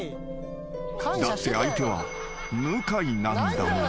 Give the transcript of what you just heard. ［だって相手は向井なんだもの］